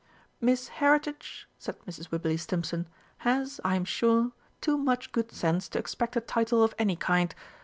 "Miss Heritage," said Mrs. Wibberley Stimpson, "has, I am sure, too much good sense to expect a title of any kind.